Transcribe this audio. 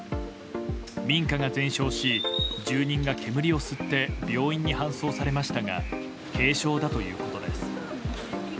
民家が全焼し、住人が煙を吸って病院に搬送されましたが軽傷だということです。